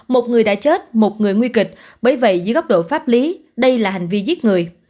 một người đã chết một người nguy kịch bởi vậy dưới góc độ pháp lý đây là hành vi giết người